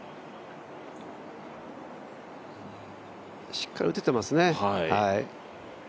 しっかり打ててますね。